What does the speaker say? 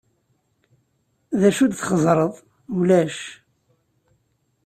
D acu d-txeẓẓreḍ? Ulac.